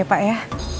oke pak ya